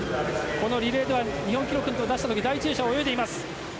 リレーでは日本記録を出した時第１泳者を泳いでいます。